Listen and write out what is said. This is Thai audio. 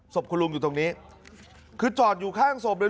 คุณลุงอยู่ตรงนี้คือจอดอยู่ข้างศพเลย